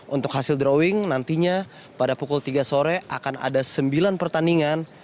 untuk hasil drawing nantinya pada pukul tiga sore akan ada sembilan pertandingan